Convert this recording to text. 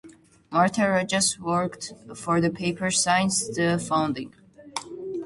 Marta Rojas worked for the paper since its founding.